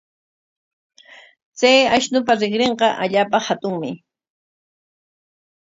Chay ashnupa rinrinqa allaapa hatunmi.